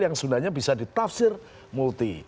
yang sebenarnya bisa ditafsir multi